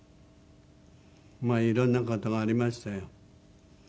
まあいろんな事がありましたよ。